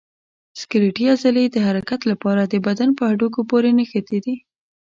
سکلیټي عضلې د حرکت لپاره د بدن په هډوکو پورې نښتي دي.